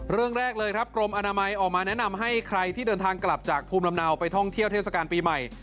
แรกเลยครับกรมอนามัยออกมาแนะนำให้ใครที่เดินทางกลับจากภูมิลำเนาไปท่องเที่ยวเทศกาลปีใหม่